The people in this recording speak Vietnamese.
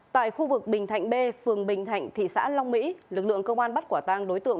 tại khu vực bình thạnh b phường bình thạnh thị xã long mỹ lực lượng công an bắt quả tang đối tượng